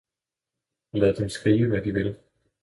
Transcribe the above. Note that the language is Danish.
Lad dem skrige hvad de vil!